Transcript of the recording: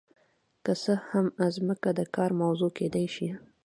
که څه هم ځمکه د کار موضوع کیدای شي.